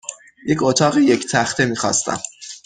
یک اتاق یک تخته میخواستم.